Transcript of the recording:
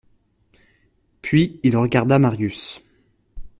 Puis il regarda Marius.